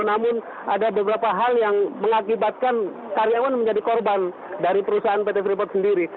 namun ada beberapa hal yang mengakibatkan karyawan menjadi korban dari perusahaan pt freeport sendiri